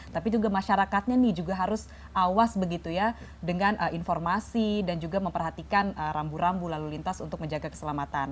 tapi juga masyarakatnya nih juga harus awas begitu ya dengan informasi dan juga memperhatikan rambu rambu lalu lintas untuk menjaga keselamatan